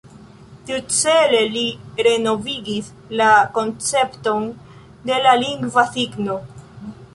Tiucele li renovigis la koncepton de la lingva signo.